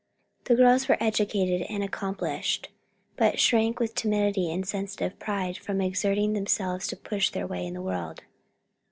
The girls were educated and accomplished, but shrank with timidity and sensitive pride from exerting themselves to push their way in the world.